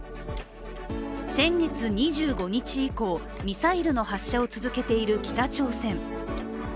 先月２５日以降ミサイルの発射を続けている北朝鮮。